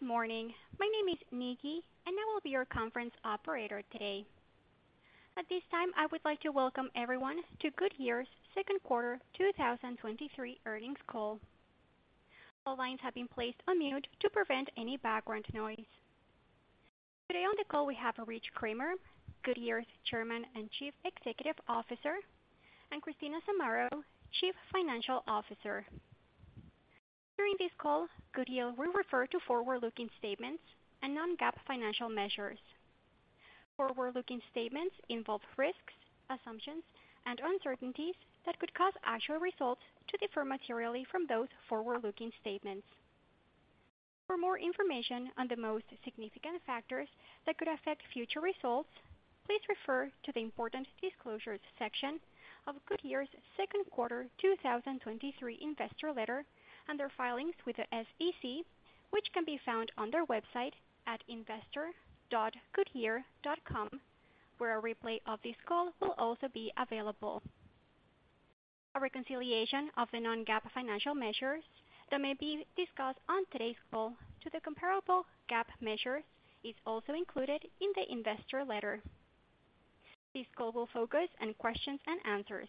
Good morning. My name is Nikki, and I will be your conference operator today. At this time, I would like to welcome everyone to Goodyear's Q2 2023 earnings call. All lines have been placed on mute to prevent any background noise. Today on the call, we have Rich Kramer, Goodyear's Chairman and Chief Executive Officer, and Christina Zamarro, Chief Financial Officer. During this call, Goodyear will refer to forward-looking statements and non-GAAP financial measures. Forward-looking statements involve risks, assumptions, and uncertainties that could cause actual results to differ materially from those forward-looking statements. For more information on the most significant factors that could affect future results, please refer to the Important disclosures section of Goodyear's Q2 2023 investor letter and their filings with the SEC, which can be found on their website at investor.goodyear.com, where a replay of this call will also be available. A reconciliation of the non-GAAP financial measures that may be discussed on today's call to the comparable GAAP measure is also included in the investor letter. This call will focus on questions and answers.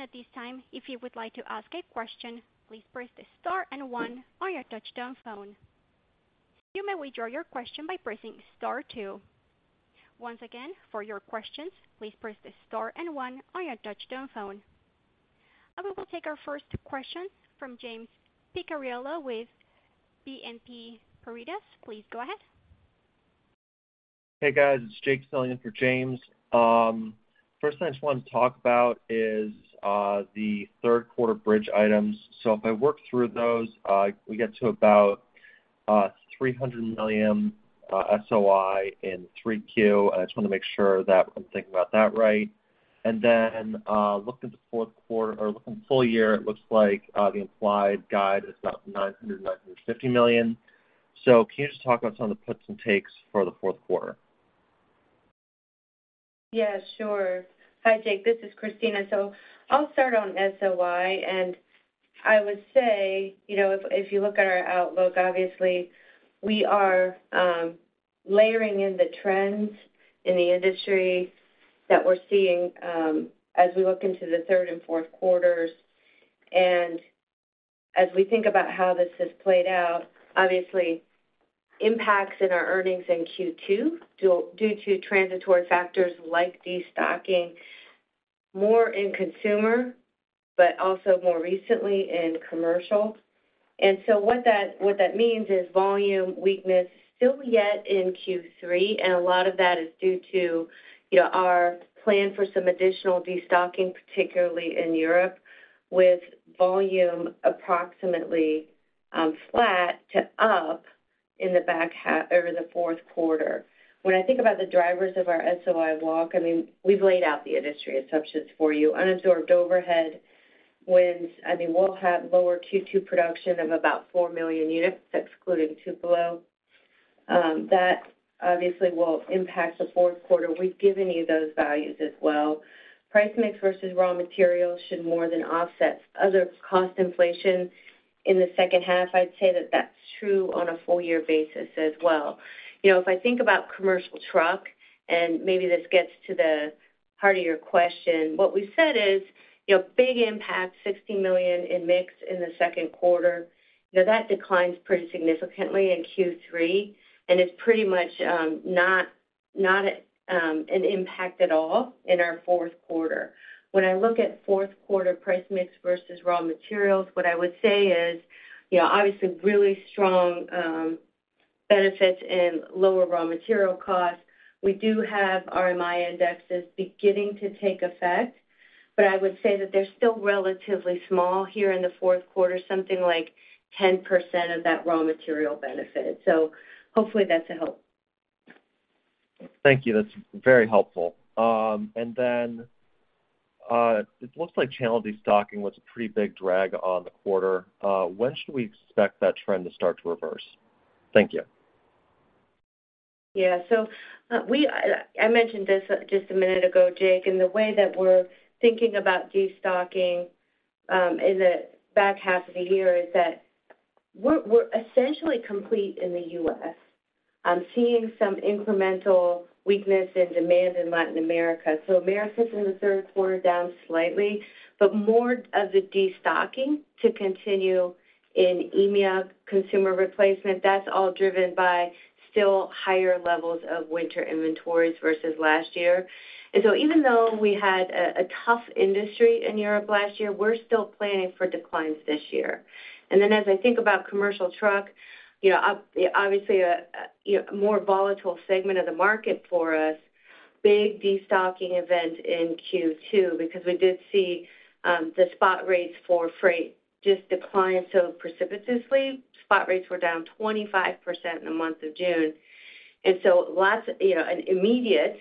At this time, if you would like to ask a question, please press the star and one on your touchtone phone. You may withdraw your question by pressing star two. Once again, for your questions, please press the star and one on your touchtone phone. I will take our first question from James Picariello with BNP Paribas. Please go ahead. Hey, guys, it's Jake filling in for James. First thing I just want to talk about is the Q3 bridge items. If I work through those, we get to about $300 million SOI in 3Q, and I just want to make sure that I'm thinking about that right. Then, looking to Q4 or looking full year, it looks like the implied guide is about $900 million-$950 million. Can you just talk about some of the puts and takes for the Q4? Yeah, sure. Hi, Jake, this is Christina. I'll start on SOI. I would say, you know, if, if you look at our outlook, obviously, we are layering in the trends in the industry that we're seeing as we look into the Q3 and Q4. As we think about how this has played out, obviously, impacts in our earnings in Q2 due to transitory factors like destocking more in consumer, but also more recently in commercial. What that means is volume weakness still yet in Q3, and a lot of that is due to, you know, our plan for some additional destocking, particularly in Europe, with volume approximately flat to up in the back half over the Q4. When I think about the drivers of our SOI walk, I mean, we've laid out the industry assumptions for you. Unabsorbed overhead wins. I mean, we'll have lower Q2 production of about 4 million units, excluding Tupelo. That obviously will impact the Q4. We've given you those values as well. Price mix versus raw materials should more than offset other cost inflation in the second half. I'd say that that's true on a full year basis as well. You know, if I think about commercial truck, and maybe this gets to the heart of your question, what we said is, you know, big impact, $60 million in mix in the Q2. You know, that declines pretty significantly in Q3, and it's pretty much not, not an impact at all in our Q4. When I look at Q4 price mix versus raw materials, what I would say is, you know, obviously really strong benefits in lower raw material costs. We do have RMI indexes beginning to take effect, but I would say that they're still relatively small here in the Q4, something like 10% of that raw material benefit. Hopefully that's a help. Thank you. That's very helpful. It looks like channel destocking was a pretty big drag on the quarter. When should we expect that trend to start to reverse? Thank you. Yeah. we... I mentioned this just a minute ago, Jake, and the way that we're thinking about destocking in the back half of the year is that we're, we're essentially complete in the U.S. I'm seeing some incremental weakness in demand in Latin America, so Americas in the Q3 down slightly, but more of the destocking to continue in EMEA consumer replacement. That's all driven by still higher levels of winter inventories versus last year. Even though we had a tough industry in Europe last year, we're still planning for declines this year. As I think about commercial truck, you know, more volatile segment of the market for us. Big destocking event in Q2 because we did see the spot rates for freight just decline so precipitously. Spot rates were down 25% in the month of June. Lots of, you know, an immediate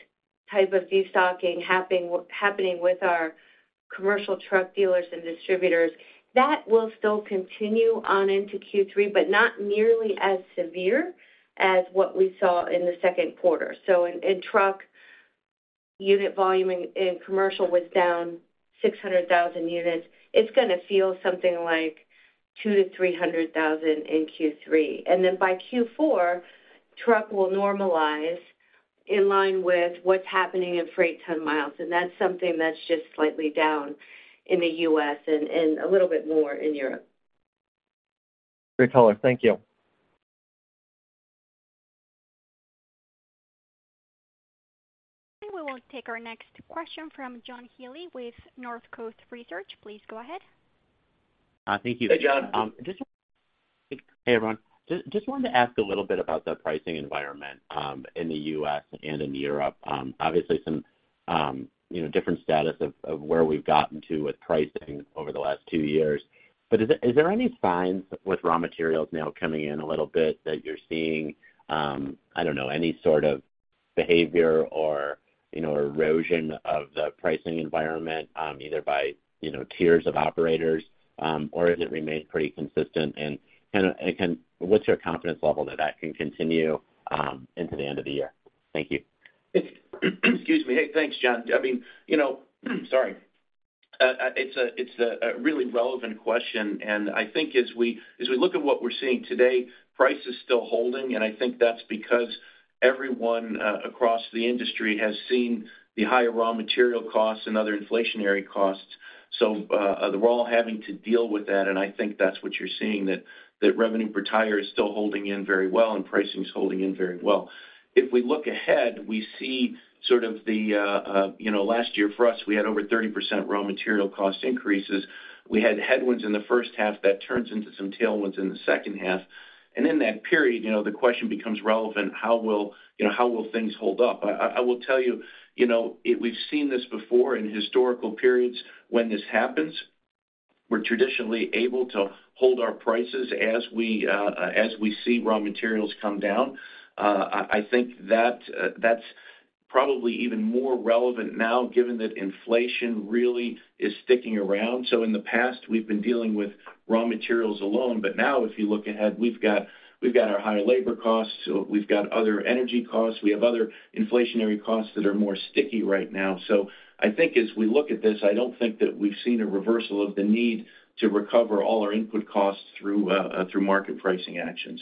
type of destocking happening with our commercial truck dealers and distributors. That will still continue on into Q3, but not nearly as severe as what we saw in the Q2. In truck unit volume in commercial was down 600,000 units. It's gonna feel something like 200,000-300,000 in Q3. By Q4, truck will normalize in line with what's happening in freight ton miles, and that's something that's just slightly down in the U.S. and a little bit more in Europe. Great color. Thank you. We will take our next question from John Healy with Northcoast Research. Please go ahead. Thank you. Hey, John. Hey, everyone. Just, just wanted to ask a little bit about the pricing environment in the U.S. and in Europe. Obviously some, you know, different status of where we've gotten to with pricing over the last two years. But is there, is there any signs with raw materials now coming in a little bit, that you're seeing, I don't know, any sort of behavior or, you know, erosion of the pricing environment, either by, you know, tiers of operators, or has it remained pretty consistent? Kinda, what's your confidence level that that can continue into the end of the year? Thank you. Excuse me. Hey, thanks, John. I mean, you know, sorry. It's a, it's a, a really relevant question, and I think as we, as we look at what we're seeing today, price is still holding, and I think that's because everyone, across the industry has seen the higher raw material costs and other inflationary costs. They're all having to deal with that, and I think that's what you're seeing, that, that revenue per tire is still holding in very well and pricing is holding in very well. If we look ahead, we see sort of the, you know, last year for us, we had over 30% raw material cost increases. We had headwinds in the first half that turns into some tailwinds in the second half. In that period, you know, the question becomes relevant, how will, you know, how will things hold up? I, I, I will tell you, you know, we've seen this before in historical periods when this happens. We're traditionally able to hold our prices as we see raw materials come down. I, I think that that's probably even more relevant now, given that inflation really is sticking around. In the past, we've been dealing with raw materials alone, but now, if you look ahead, we've got, we've got our higher labor costs, so we've got other energy costs. We have other inflationary costs that are more sticky right now. I think as we look at this, I don't think that we've seen a reversal of the need to recover all our input costs through market pricing action.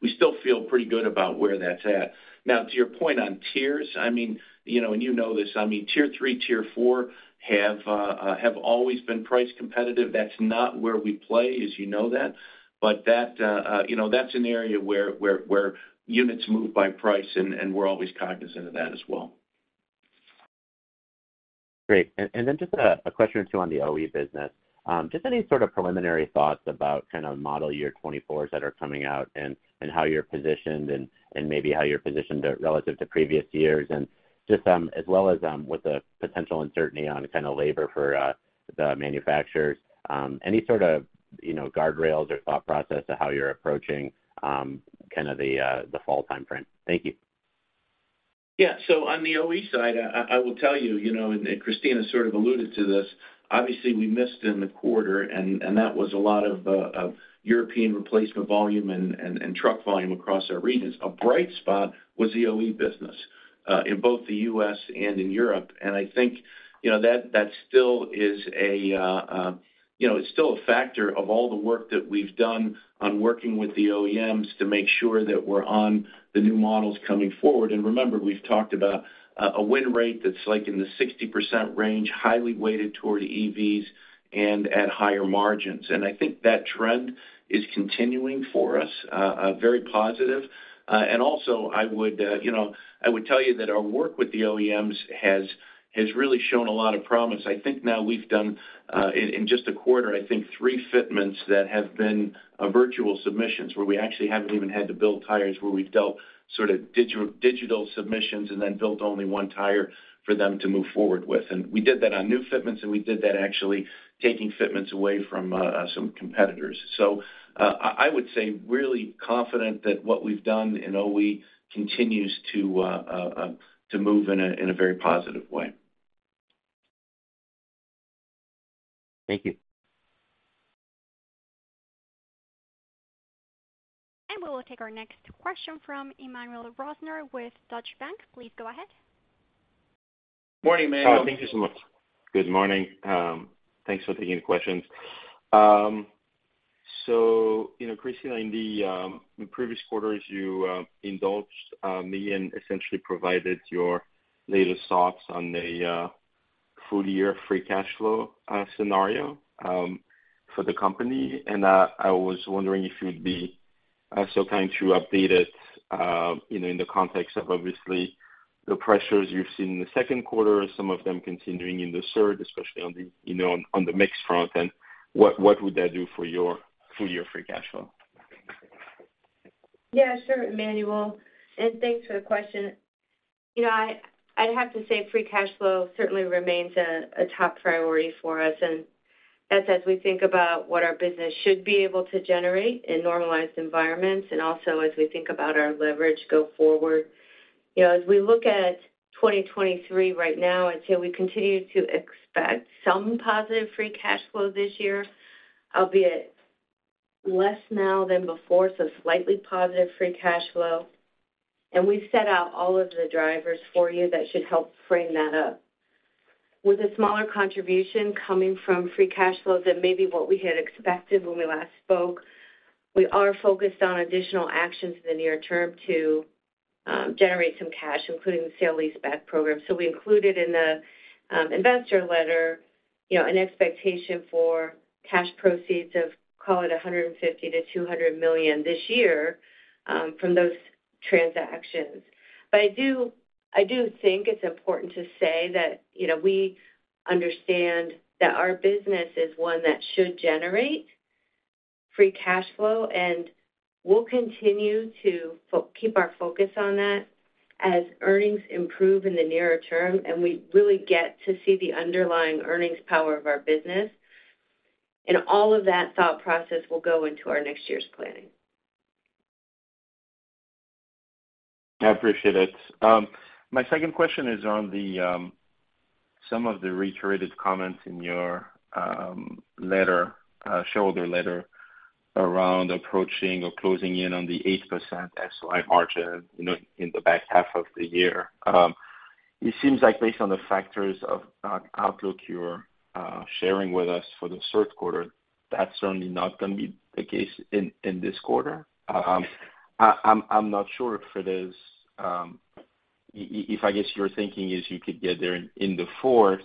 We still feel pretty good about where that's at. Now, to your point on tiers, I mean, you know, and you know this, I mean, tier three, tier four have always been price competitive. That's not where we play, as you know that. That, you know, that's an area where, where, where units move by price, and, and we're always cognizant of that as well. Great. Then just a question or two on the OE business. Just any sort of preliminary thoughts about kind of model year 24s that are coming out and, and how you're positioned and, and maybe how you're positioned relative to previous years? Just as well as with the potential uncertainty on kind of labor for the manufacturers, any sort of, you know, guardrails or thought process to how you're approaching kind of the fall timeframe? Thank you. Yeah. On the OE side, I, I, I will tell you, you know, Christina sort of alluded to this, obviously, we missed in the quarter, that was a lot of European replacement volume and truck volume across our regions. A bright spot was the OE business in both the U.S. and in Europe. I think, you know, that, that still is a, you know, it's still a factor of all the work that we've done on working with the OEMs to make sure that we're on the new models coming forward. remember, we've talked about a win rate that's like in the 60% range, highly weighted toward EVs and at higher margins. I think that trend is continuing for us, very positive. Also, I would, you know, I would tell you that our work with the OEMs has, has really shown a lot of promise. I think now we've done, in, in just a quarter, I think three fitments that have been virtual submissions, where we actually haven't even had to build tires, where we've built sort of digital submissions and then built only 1 tire for them to move forward with. We did that on new fitments, and we did that actually taking fitments away from some competitors. I, I would say really confident that what we've done in OE continues to move in a very positive way. Thank you. We will take our next question from Emmanuel Rosner with Deutsche Bank. Please go ahead. Morning, Emmanuel. Thank you so much. Good morning. Thanks for taking the questions. You know, Christina, in the, in previous quarters, you indulged me and essentially provided your latest thoughts on the full year free cash flow scenario for the company. I was wondering if you'd be so kind to update it, you know, in the context of obviously, the pressures you've seen in the Q2, some of them continuing in the third, especially on the, you know, on the mix front, and what, what would that do for your full year free cash flow? Yeah, sure, Emmanuel, and thanks for the question. You know, I'd have to say free cash flow certainly remains a top priority for us, and as we think about what our business should be able to generate in normalized environments, and also as we think about our leverage go forward. You know, as we look at 2023 right now, I'd say we continue to expect some positive free cash flow this year, albeit less now than before, so slightly positive free cash flow. We've set out all of the drivers for you that should help frame that up. With a smaller contribution coming from free cash flow than maybe what we had expected when we last spoke, we are focused on additional actions in the near term to generate some cash, including the sale leaseback program. We included in the investor letter, you know, an expectation for cash proceeds of, call it, $150 million-$200 million this year from those transactions. I do, I do think it's important to say that, you know, we understand that our business is one that should generate free cash flow, and we'll continue to keep our focus on that as earnings improve in the nearer term, and we really get to see the underlying earnings power of our business. All of that thought process will go into our next year's planning. I appreciate it. My second question is on the, some of the reiterated comments in your, letter, shareholder letter around approaching or closing in on the 8% SOI margin, you know, in the back half of the year. It seems like based on the factors of, outlook you're, sharing with us for the Q3, that's certainly not gonna be the case in, in this quarter. I, I'm, I'm not sure if it is, if I guess your thinking is you could get there in, in the fourth,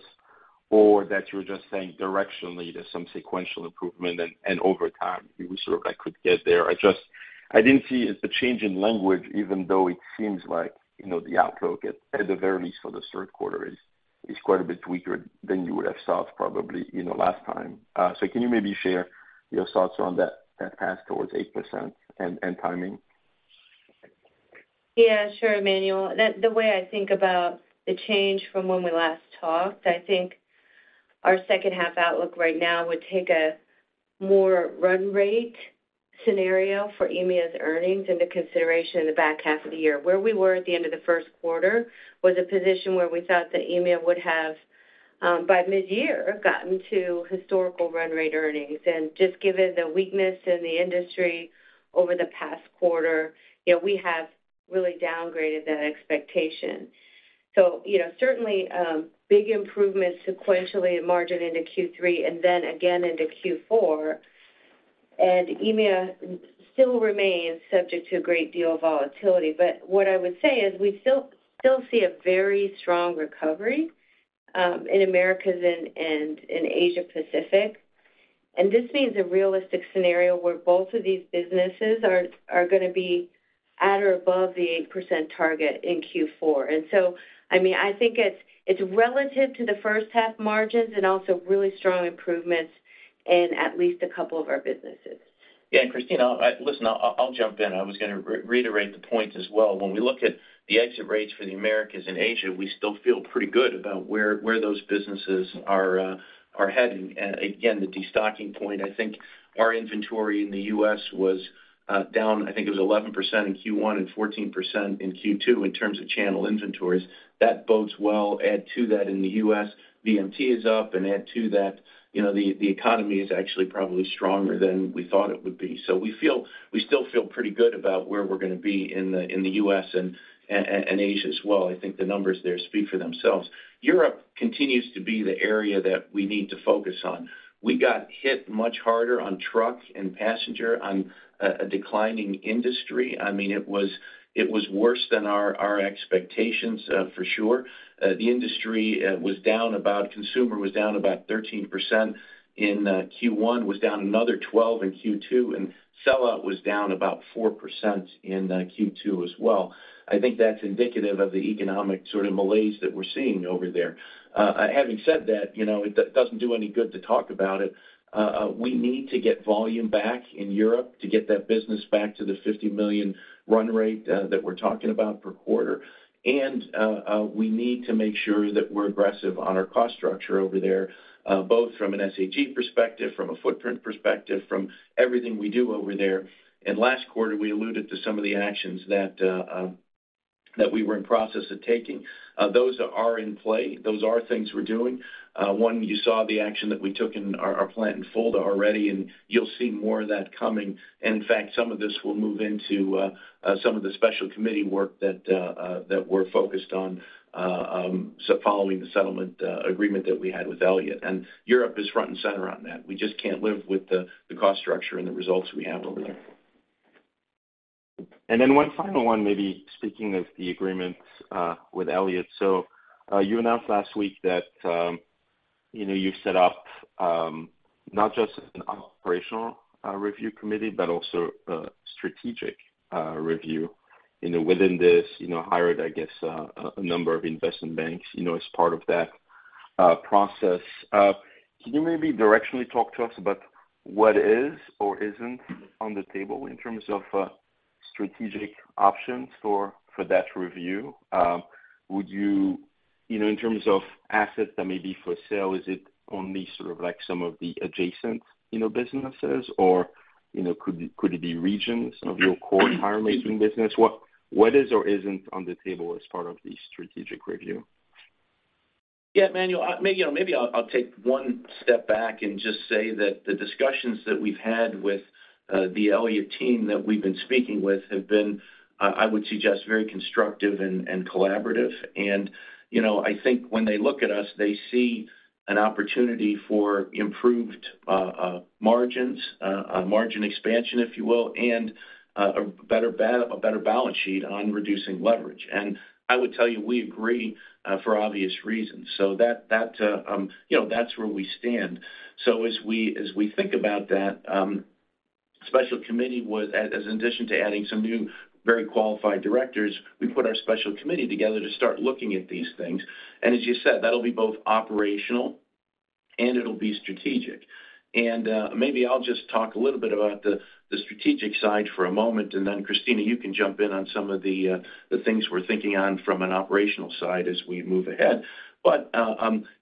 or that you're just saying directionally, there's some sequential improvement and, and over time, you sort of like could get there? I didn't see it's a change in language, even though it seems like, you know, the outlook at, at the very least for the Q3 is, is quite a bit weaker than you would have thought, probably, you know, last time. Can you maybe share your thoughts on that, that path towards 8% and, and timing? Yeah, sure, Emmanuel. The way I think about the change from when we last talked, I think our second half outlook right now would take a more run rate scenario for EMEA's earnings into consideration in the back half of the year. Where we were at the end of the Q1 was a position where we thought that EMEA would have by mid-year gotten to historical run rate earnings. Just given the weakness in the industry over the past quarter, you know, we have really downgraded that expectation. You know, certainly, big improvements sequentially in margin into Q3 and then again into Q4, and EMEA still remains subject to a great deal of volatility. What I would say is we still, still see a very strong recovery in Americas and in Asia Pacific. This means a realistic scenario where both of these businesses are gonna be at or above the 8% target in Q4. I mean, I think it's relative to the first half margins and also really strong improvements in at least a couple of our businesses. Yeah, Christina, I listen, I'll jump in. I was gonna reiterate the point as well. When we look at the exit rates for the Americas and Asia, we still feel pretty good about where those businesses are heading. Again, the destocking point, I think our inventory in the U.S. was down, I think it was 11% in Q1 and 14% in Q2 in terms of channel inventories. That bodes well. Add to that in the U.S., VMT is up. Add to that, you know, the economy is actually probably stronger than we thought it would be. We still feel pretty good about where we're gonna be in the U.S. and Asia as well. I think the numbers there speak for themselves. Europe continues to be the area that we need to focus on. We got hit much harder on truck and passenger on a declining industry. I mean, it was, it was worse than our, our expectations for sure. The industry was down about-- consumer was down about 13% in Q1, was down another 12 in Q2, and sellout was down about 4% in Q2 as well. I think that's indicative of the economic sort of malaise that we're seeing over there. Having said that, you know, it doesn't do any good to talk about it. We need to get volume back in Europe to get that business back to the $50 million run rate that we're talking about per quarter. We need to make sure that we're aggressive on our cost structure over there, both from an SAG perspective, from a footprint perspective, from everything we do over there. Last quarter, we alluded to some of the actions that we were in process of taking. Those are in play. Those are things we're doing. One, you saw the action that we took in our, our plant in Fulda already, and you'll see more of that coming. In fact, some of this will move into some of the special committee work that we're focused on, so following the settlement agreement that we had with Elliott. Europe is front and center on that. We just can't live with the, the cost structure and the results we have over there. One final one, maybe speaking of the agreements with Elliott. You announced last week that, you know, you set up not just an operational review committee, but also a strategic review. You know, within this, you know, hired, I guess, a number of investment banks, you know, as part of that process. Can you maybe directionally talk to us about what is or isn't on the table in terms of strategic options for that review? You know, in terms of assets that may be for sale, is it only sort of like some of the adjacent, you know, businesses? You know, could it be regions of your core tire making business? What is or isn't on the table as part of the strategic review? Yeah, Manuel, I, maybe, you know, maybe I'll, I'll take one step back and just say that the discussions that we've had with the Elliott team that we've been speaking with have been, I would suggest, very constructive and collaborative. You know, I think when they look at us, they see an opportunity for improved margins, a margin expansion, if you will, and a better balance sheet on reducing leverage. I would tell you, we agree, for obvious reasons. That, that, you know, that's where we stand. As we, as we think about that, special committee would, as, as an addition to adding some new, very qualified directors, we put our special committee together to start looking at these things. As you said, that'll be both operational, and it'll be strategic. Maybe I'll just talk a little bit about the, the strategic side for a moment, and then, Christina, you can jump in on some of the things we're thinking on from an operational side as we move ahead. You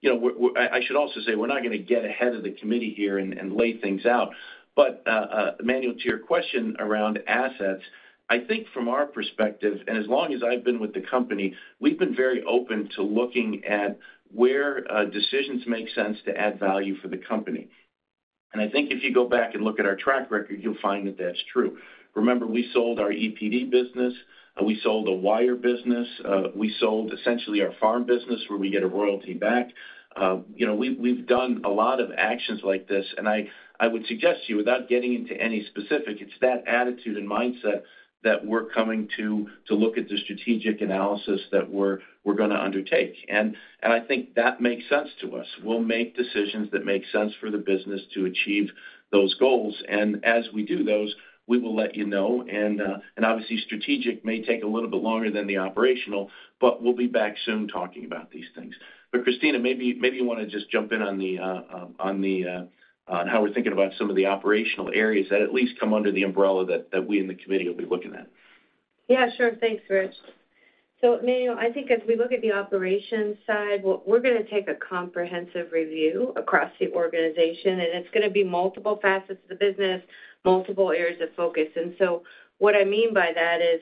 know, I, I should also say, we're not gonna get ahead of the committee here and, and lay things out. Manuel, to your question around assets, I think from our perspective, and as long as I've been with the company, we've been very open to looking at where decisions make sense to add value for the company. I think if you go back and look at our track record, you'll find that that's true. Remember, we sold our EPD business, and we sold a wire business. We sold essentially our farm business, where we get a royalty back. You know, we've done a lot of actions like this, and I, I would suggest to you, without getting into any specific, it's that attitude and mindset that we're coming to, to look at the strategic analysis that we're gonna undertake. I think that makes sense to us. We'll make decisions that make sense for the business to achieve those goals, and as we do those, we will let you know. Obviously, strategic may take a little bit longer than the operational, but we'll be back soon talking about these things. Christina, maybe, maybe you wanna just jump in on the, on the, on how we're thinking about some of the operational areas that at least come under the umbrella that, that we in the committee will be looking at. Yeah, sure. Thanks, Rich. Manuel, I think as we look at the operations side, we're gonna take a comprehensive review across the organization, and it's gonna be multiple facets of the business, multiple areas of focus. What I mean by that is,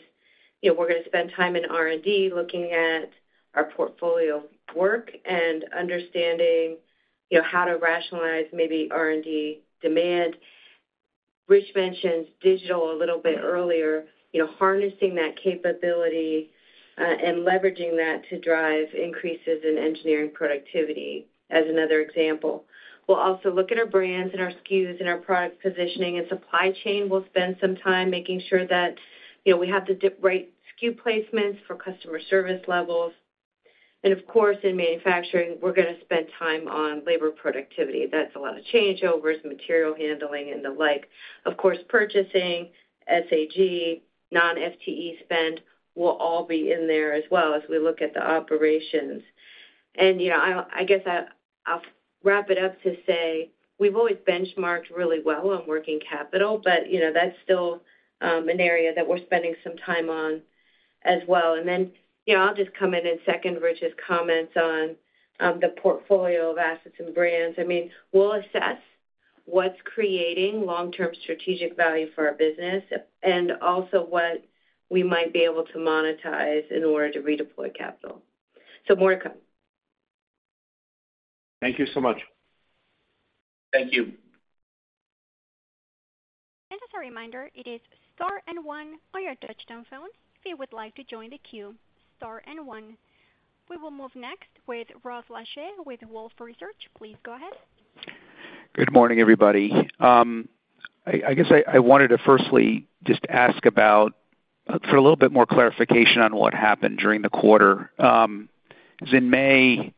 you know, we're gonna spend time in R&D, looking at our portfolio work and understanding, you know, how to rationalize maybe R&D demand. Rich mentioned digital a little bit earlier, you know, harnessing that capability, and leveraging that to drive increases in engineering productivity, as another example. We'll also look at our brands and our SKUs and our product positioning and supply chain. We'll spend some time making sure that, you know, we have the right SKU placements for customer service levels. Of course, in manufacturing, we're gonna spend time on labor productivity. That's a lot of changeovers, material handling, and the like. Of course, purchasing, SAG, non-FTE spend will all be in there as well as we look at the operations. You know, I guess I'll wrap it up to say, we've always benchmarked really well on working capital, but, you know, that's still an area that we're spending some time on as well. Then, you know, I'll just come in and second Rich's comments on the portfolio of assets and brands. I mean, we'll assess what's creating long-term strategic value for our business and also what we might be able to monetize in order to redeploy capital. More to come. Thank you so much. Thank you. As a reminder, it is star and one on your touchtone phone. If you would like to join the queue, star and one. We will move next with Rod Lache with Wolfe Research. Please go ahead. Good morning, everybody. I guess I wanted to firstly just ask for a little bit more clarification on what happened during the quarter. 'Cause in May,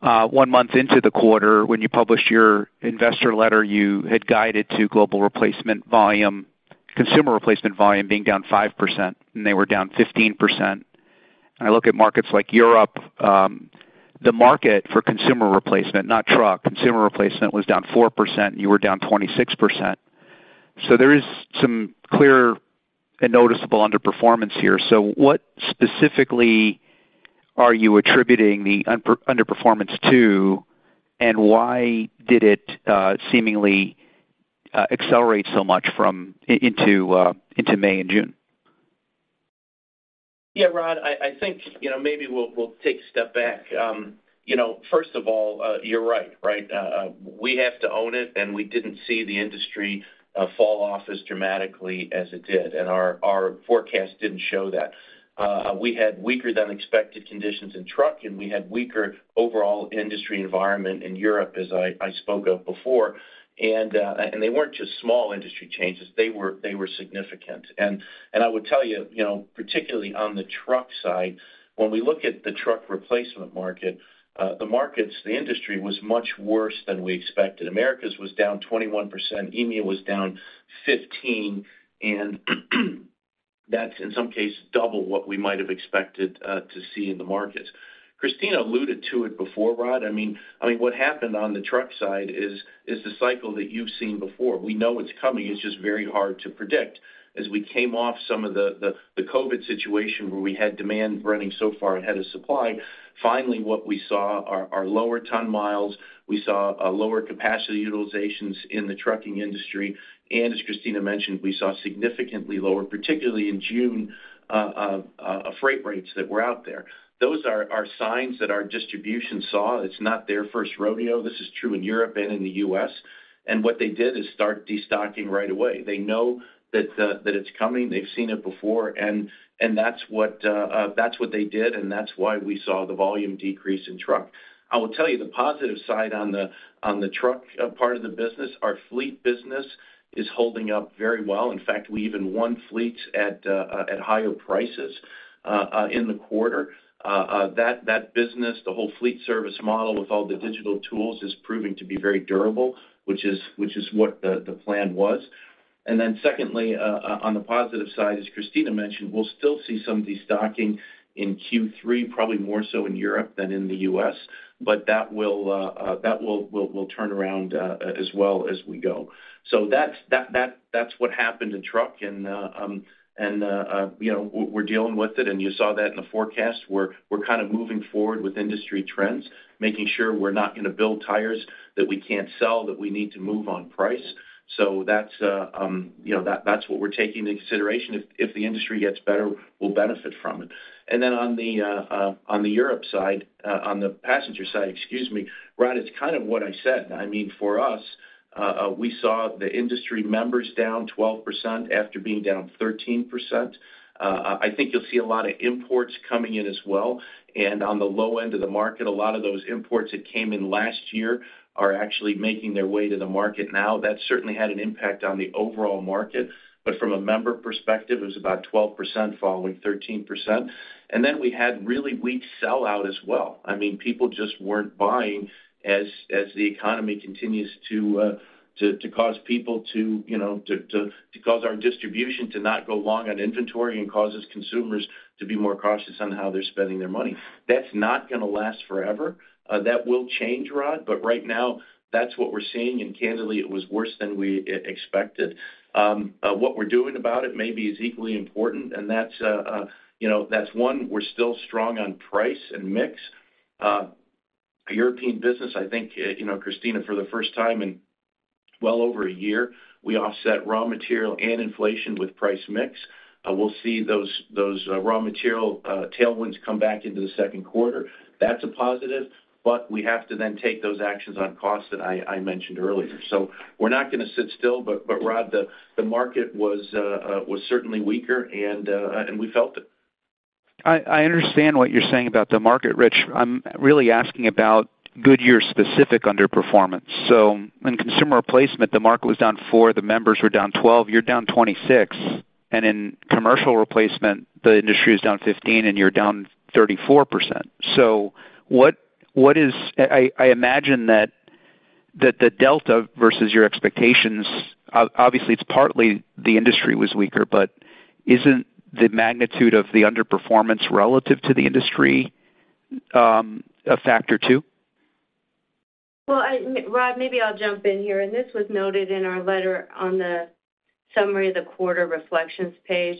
one month into the quarter, when you published your investor letter, you had guided to global replacement volume, consumer replacement volume being down 5%, and they were down 15%. I look at markets like Europe, the market for consumer replacement, not truck, consumer replacement was down 4%, you were down 26%. There is some clear and noticeable underperformance here. What specifically are you attributing the underperformance to, and why did it seemingly accelerate so much from into May and June? Yeah, Rod, I, I think, you know, maybe we'll, we'll take a step back. You know, first of all, you're right, right? We have to own it, and we didn't see the industry fall off as dramatically as it did, and our, our forecast didn't show that. We had weaker than expected conditions in truck, and we had weaker overall industry environment in Europe, as I, I spoke of before. They weren't just small industry changes, they were, they were significant. I would tell you, you know, particularly on the truck side, when we look at the truck replacement market, the markets, the industry was much worse than we expected. Americas was down 21%, EMEA was down 15%, and that's in some case, double what we might have expected to see in the markets. Christina alluded to it before, Rod. I mean, what happened on the truck side is, is the cycle that you've seen before. We know it's coming, it's just very hard to predict. We came off some of the COVID situation where we had demand running so far ahead of supply, finally, what we saw are lower ton miles. We saw a lower capacity utilizations in the trucking industry. As Christina mentioned, we saw significantly lower, particularly in June, freight rates that were out there. Those are signs that our distribution saw. It's not their first rodeo. This is true in Europe and in the U.S.... What they did is start destocking right away. They know that it's coming. They've seen it before, and that's what that's what they did, and that's why we saw the volume decrease in truck. I will tell you the positive side on the, on the truck part of the business, our fleet business is holding up very well. In fact, we even won fleets at higher prices in the quarter. That business, the whole fleet service model with all the digital tools, is proving to be very durable, which is, which is what the, the plan was. Secondly, on the positive side, as Christina mentioned, we'll still see some destocking in Q3, probably more so in Europe than in the US, but that will that will, will, will turn around as well as we go. That's, that, that, that's what happened in truck, and, and we're dealing with it, and you saw that in the forecast, we're, we're kind of moving forward with industry trends, making sure we're not gonna build tires that we can't sell, that we need to move on price. That's, you know, that's what we're taking into consideration. If, if the industry gets better, we'll benefit from it. Then on the, on the Europe side, on the passenger side, excuse me, Rod, it's kind of what I said. I mean, for us, we saw the industry members down 12% after being down 13%. I think you'll see a lot of imports coming in as well. On the low end of the market, a lot of those imports that came in last year are actually making their way to the market now. That certainly had an impact on the overall market, but from a member perspective, it was about 12% falling 13%. We had really weak sell-out as well. I mean, people just weren't buying as, as the economy continues to cause people to, you know, to cause our distribution to not go long on inventory and causes consumers to be more cautious on how they're spending their money. That's not gonna last forever. That will change, Rod, but right now, that's what we're seeing, and candidly, it was worse than we expected. What we're doing about it maybe is equally important. You know, that's one, we're still strong on price and mix. The European business, I think, you know, Christina, for the first time in well over a year, we offset raw material and inflation with price mix. We'll see those, those raw material tailwinds come back into the Q2. That's a positive. We have to then take those actions on cost that I, I mentioned earlier. We're not gonna sit still. Rod, the market was certainly weaker. We felt it. I, I understand what you're saying about the market, Rich. I'm really asking about Goodyear specific underperformance. In consumer replacement, the market was down 4, the members were down 12, you're down 26. In commercial replacement, the industry was down 15, and you're down 34%. What, what is... I, I imagine that, that the delta versus your expectations, obviously, it's partly the industry was weaker, but isn't the magnitude of the underperformance relative to the industry, a factor too? Well, I, Rod, maybe I'll jump in here. This was noted in our letter on the summary of the quarter reflections page.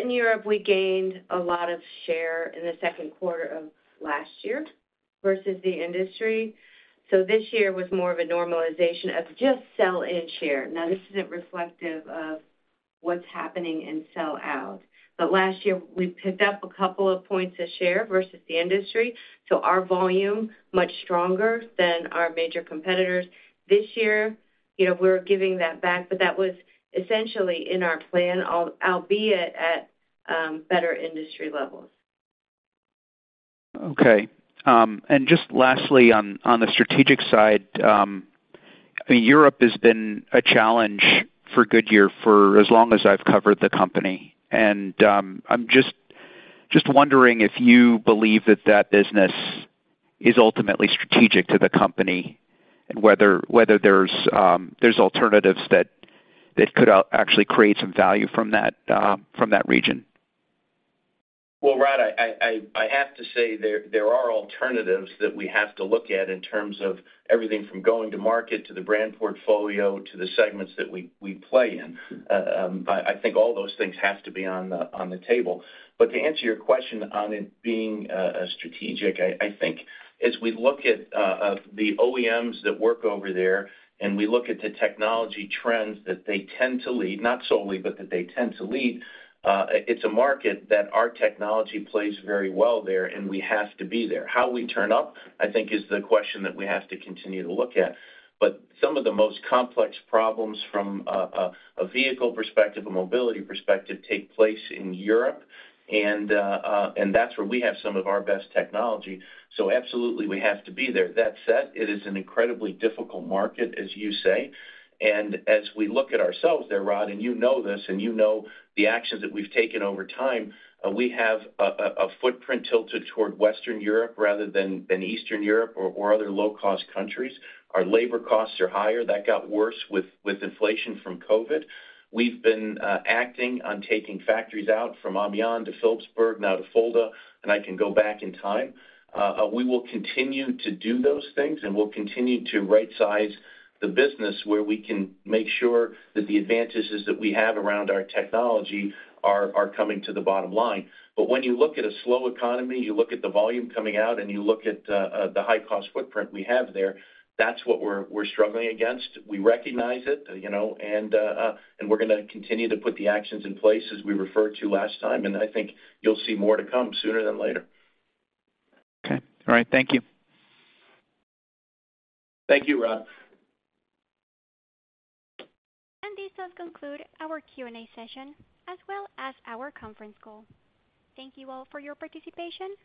In Europe, we gained a lot of share in the Q2 of last year versus the industry. This year was more of a normalization of just sell in share. Now, this isn't reflective of what's happening in sell out. Last year we picked up 2 points a share versus the industry, so our volume, much stronger than our major competitors. This year, you know, we're giving that back. That was essentially in our plan, albeit at better industry levels. Okay, just lastly, on, on the strategic side, I mean, Europe has been a challenge for Goodyear for as long as I've covered the company, and, I'm just, just wondering if you believe that that business is ultimately strategic to the company, and whether, whether there's, there's alternatives that, that could actually create some value from that, from that region? Well, Rod, I, I, I have to say there, there are alternatives that we have to look at in terms of everything from going to market, to the brand portfolio, to the segments that we, we play in. I, I think all those things have to be on the, on the table. To answer your question on it being strategic, I, I think as we look at the OEMs that work over there, and we look at the technology trends that they tend to lead, not solely, but that they tend to lead, it's a market that our technology plays very well there, and we have to be there. How we turn up, I think, is the question that we have to continue to look at. Some of the most complex problems from a vehicle perspective, a mobility perspective, take place in Europe, and that's where we have some of our best technology. Absolutely, we have to be there. That said, it is an incredibly difficult market, as you say, and as we look at ourselves there, Rod, and you know this, and you know the actions that we've taken over time, we have a footprint tilted toward Western Europe rather than Eastern Europe or other low-cost countries. Our labor costs are higher. That got worse with inflation from COVID. We've been acting on taking factories out, from Amiens to Philippsburg, now to Fulda, and I can go back in time. We will continue to do those things, and we'll continue to right-size the business where we can make sure that the advantages that we have around our technology are, are coming to the bottom line. When you look at a slow economy, you look at the volume coming out, and you look at the high-cost footprint we have there, that's what we're, we're struggling against. We recognize it, you know, and and we're gonna continue to put the actions in place as we referred to last time, and I think you'll see more to come sooner than later. Okay. All right. Thank you. Thank you, Rod. This does conclude our Q&A session as well as our conference call. Thank you all for your participation.